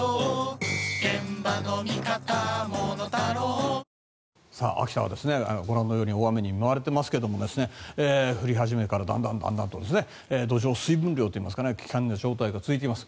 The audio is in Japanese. あふっ秋田はご覧のように大雨に見舞われていますが降り始めからだんだんと土壌水分量といいますか危険な状態が続いています。